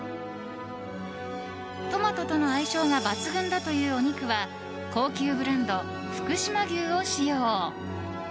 トマトとの相性が抜群だというお肉は最高級ブランド福島牛を使用。